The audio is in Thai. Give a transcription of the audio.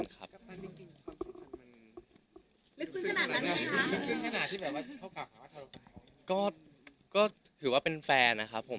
ก็ถือว่าเป็นแฟนนะครับผม